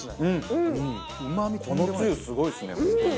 このつゆすごいですね本当に。